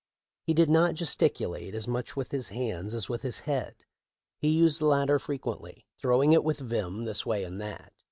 He did not gesticulate as much with his hands as with his head. He used the latter fre quently, throwing it with vim this way and that.